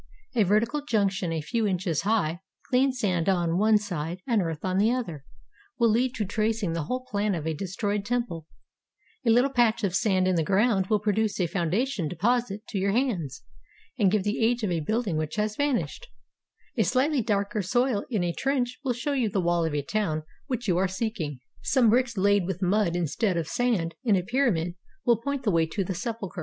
A vertical junction a few inches high, clean sand on one side and earth on the other, will lead to tracing the whole plan of a destroyed temple ; a little patch of sand in the ground will produce a foundation deposit to your hands, and give the age of a building which has vanished; a slightly darker soil in a trench will show you the wall of a to\\Ti which you are seeking ; some bricks laid with mud instead of sand in a pyramid will point the way to the sepulchcr.